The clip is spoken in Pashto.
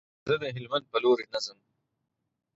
زه د هلمند په لوري نه ځم.